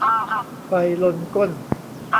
ไฟลนก้น